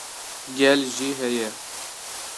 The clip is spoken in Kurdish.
gel jî heye